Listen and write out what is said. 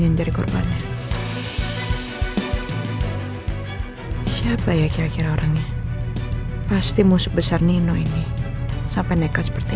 yang jadi korbannya siapa ya kira kira orangnya pasti musuh besar nino ini sampai nekat seperti